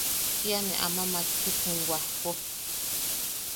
Kia ne ama matchuk jum wajpo.